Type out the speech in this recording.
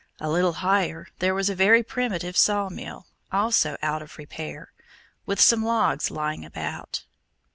A little higher there was a very primitive saw mill, also out of repair, with some logs lying about.